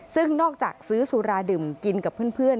ซึ่งนอกจากซื้อสุราดื่มกินกับเพื่อน